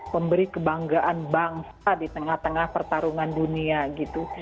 pemberi kebanggaan bangsa di tengah tengah pertarungan dunia gitu